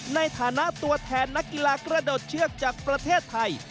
ในฐานะตัวแทนนักกีฬากระโดดเชือกจากประเทศไทย